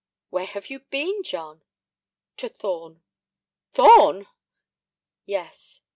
"Where have you been, John?" "To Thorn." "Thorn!" "Yes."